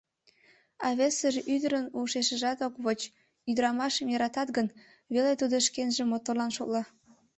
А весыже ӱдырын ушешыжат ок воч: ӱдырамашым йӧратат гын веле тудо шкенжым моторлан шотла.